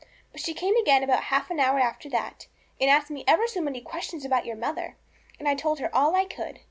But she came again about half an hour after that, and asked me ever so many questions about your mother, and I told her all I could.